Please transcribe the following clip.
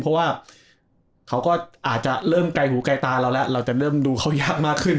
เพราะว่าเขาก็อาจจะเริ่มไกลหูไกลตาเราแล้วเราจะเริ่มดูเขายากมากขึ้น